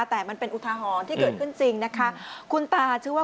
แต่มันเป็นอุทหรณ์ที่เกิดขึ้นจริงนะคะ